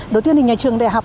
đầu tiên thì nhà trường đại học